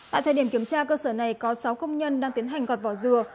tại thời điểm kiểm tra cơ sở này có sáu công nhân đang tiến hành gạt vỏ dừa